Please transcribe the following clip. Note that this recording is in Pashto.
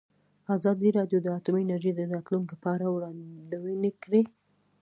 ازادي راډیو د اټومي انرژي د راتلونکې په اړه وړاندوینې کړې.